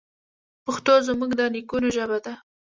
پښتو زموږ د نیکونو ژبه ده.